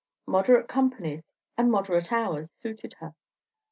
Moderate companies and moderate hours suited her.